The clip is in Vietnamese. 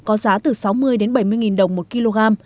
có giá từ sáu mươi bảy mươi đồng một kg